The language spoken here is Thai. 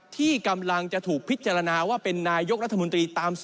ที่กำลังจะถูกพิจารณาว่าเป็นนายกรัฐมนตรีตาม๒